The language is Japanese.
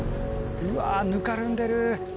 うわぬかるんでる。